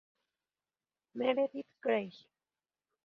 Meredith Grey.